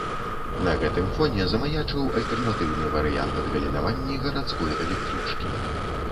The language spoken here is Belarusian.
На гэтым фоне замаячыў альтэрнатыўны варыянт адгалінаванні гарадской электрычкі.